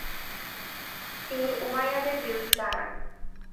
তিনি উমাইয়াদের বিরুদ্ধে দাঁড়ান।